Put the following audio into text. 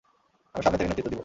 আমি সামনে থেকে নেতৃত্ব দিব।